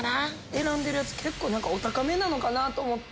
選んでるやつ結構お高めなのかなと思って。